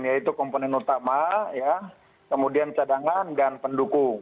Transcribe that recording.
yaitu komponen utama kemudian cadangan dan pendukung